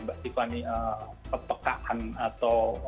mbak tiffany pepekaan atau